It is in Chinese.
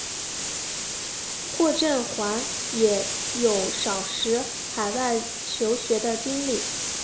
霍震寰也有少时海外求学的经历。